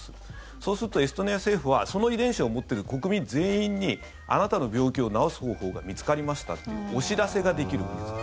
そうするとエストニア政府はその遺伝子を持ってる国民全員にあなたの病気を治す方法が見つかりましたっていうお知らせができるんです。